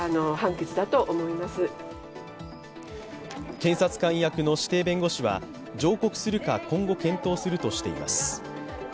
検察官役の指定弁護士は、上告するか、今後検討するとしています。